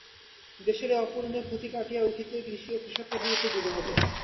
দেশের এই অপূরণীয় ক্ষতি কাটিয়ে উঠতে কৃষি ও কৃষককে গুরুত্ব দিতে হবে।